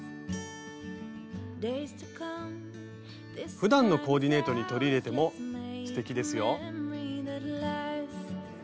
ふだんのコーディネートに取り入れてもすてきですよ。